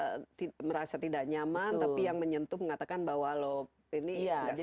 iya karena mungkin salah sentuh terus kemudian merasa tidak nyaman tapi yang menyentuh mengatakan bahwa lo ini tidak sengaja